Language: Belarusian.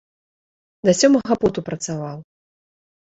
Да сёмага поту працаваў!